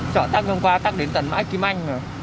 chờ tắt hôm qua tắt đến tận mãi kìm anh